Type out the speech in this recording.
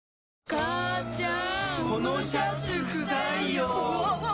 母ちゃん！